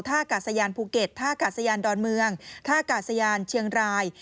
อากาศยานภูเก็ตท่ากาศยานดอนเมืองท่ากาศยานเชียงราย